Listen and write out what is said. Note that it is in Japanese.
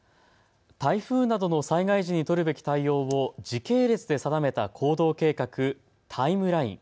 台風などの災害時に取るべき対応を時系列で定めた行動計画、タイムライン。